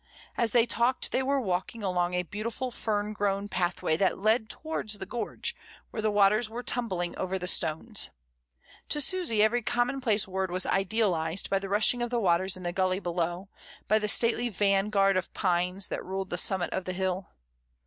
As they talked they were walking along a beautiful fern grown path way that led towards the gorge, where the waters were tumbling over the stones. To Susy every com monplace word was idealised by the rushing of the waters in the gully below, by the stately "vanguard of pines" that ruled the summit of the hill.